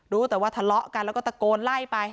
รู้แต่ว่าทะเลาะกันแล้วก็ตะโกนไล่ไป